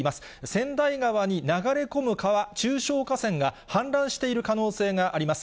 千代川に流れ込む川、中小河川が氾濫している可能性があります。